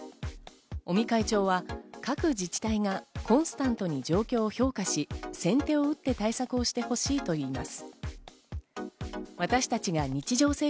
尾身会長は各自治体がコンスタントに状況を評価し、先手を打って対策をしてほしいと言います。